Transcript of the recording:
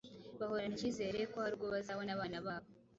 bahorana ikizere ko hari ubwo bazabona abana babo